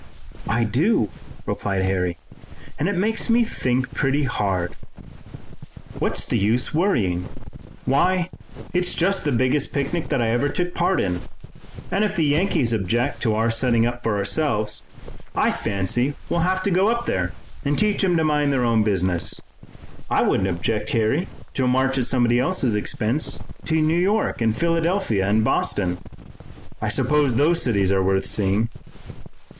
"I do," replied Harry, "and it makes me think pretty hard." "What's the use of worrying? Why, it's just the biggest picnic that I ever took part in, and if the Yankees object to our setting up for ourselves I fancy we'll have to go up there and teach 'em to mind their own business. I wouldn't object, Harry, to a march at somebody else's expense to New York and Philadelphia and Boston. I suppose those cities are worth seeing."